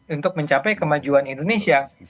untuk mencapai kemajuan indonesia